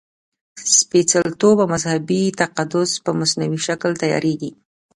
سپېڅلتوب او مذهبي تقدس په مصنوعي شکل تیارېږي.